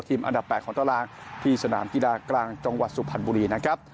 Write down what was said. ทีมอันดับ๘ของต้องลางที่สนามกีฬากลางจังหวัดสุพันธ์บุรี